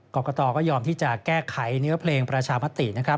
กรกตก็ยอมที่จะแก้ไขเนื้อเพลงประชามตินะครับ